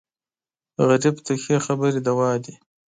غریب ته ښې خبرې دوا دي